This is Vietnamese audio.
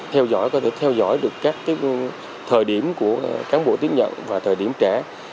theo dõi có thể theo dõi được các thời điểm của cán bộ tiếp nhận và thời điểm trẻ